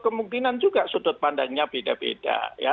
kemungkinan juga sudut pandangnya beda beda